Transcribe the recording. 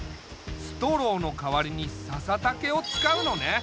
ストローの代わりにささ竹を使うのね。